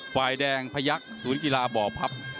ฝ่ายแดงพยักษ์ศูนย์กีฬาบ่อพับ